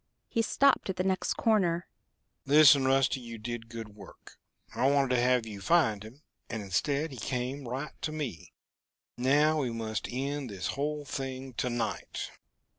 He stopped at the next corner. "Listen, Rusty. You did good work. I wanted to have you find him, and instead he came right to me. Now, we must end this whole thing to night."